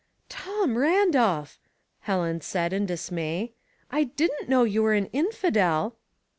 " "Tom Randolph!" Helen said, in dismay. *^ I dldnt know you were an infidel."